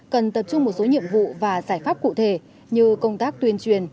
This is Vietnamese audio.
cần tập trung một số nhiệm vụ và giải pháp cụ thể như công tác tuyên truyền